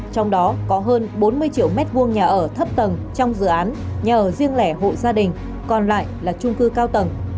trong đó có hơn bốn mươi triệu m hai nhà ở thấp tầng trong dự án nhà ở riêng lẻ hộ gia đình còn lại là trung cư cao tầng